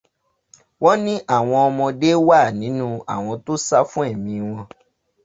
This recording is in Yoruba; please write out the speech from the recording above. Wọ́n ní àwọn ọmọdé wà nínú àwọn tó sá fún ẹ̀mí wọn.